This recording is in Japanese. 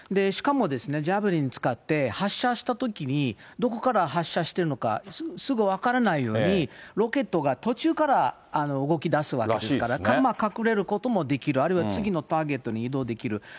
しかもジャベリン使って、発射したときに、どこから発射してるのか、すぐ分からないように、ロケットが途中から動きだすわけですから、隠れることもできる、あるいは次のターゲットに移動できる。